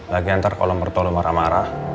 lagi ntar kalo mertua lu marah marah